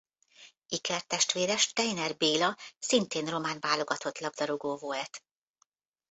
Ikertestvére Steiner Béla szintén román válogatott labdarúgó volt.